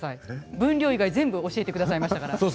分量以外は全部教えてくれましたから。